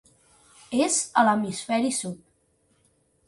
És a l'hemisferi sud.